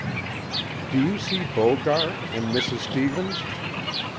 "Do you see Bogart and Mrs. Stevens?"